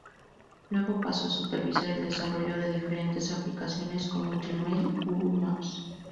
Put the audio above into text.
Luego pasó a supervisar el desarrollo de diferentes aplicaciones como Gmail y Google Maps.